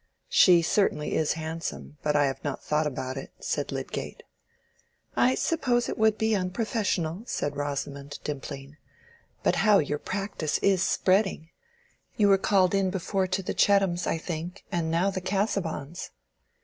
"She certainly is handsome, but I have not thought about it," said Lydgate. "I suppose it would be unprofessional," said Rosamond, dimpling. "But how your practice is spreading! You were called in before to the Chettams, I think; and now, the Casaubons."